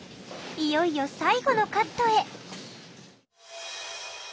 いよいよ最後のカットへ。